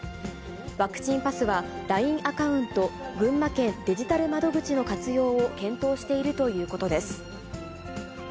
ワクチンパスはＬＩＮＥアカウント、群馬県デジタル窓口の活用を検討しているということです。